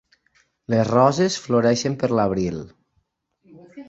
Les roses floreixen per l'abril.